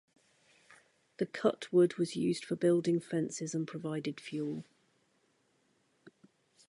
The cut wood was used for building fences and provided fuel.